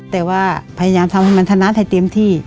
แต่พยายามทำสำนักมันธนาธรรมในเตรียมที่